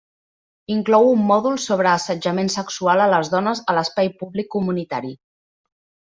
Inclou un mòdul sobre assetjament sexual a les dones a l'espai públic comunitari.